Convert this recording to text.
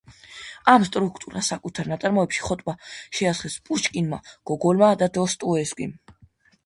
ამ სტრუქტურას საკუთარ ნაწარმოებებში ხოტბა შეასხეს პუშკინმა, გოგოლმა და დოსტოევსკიმ.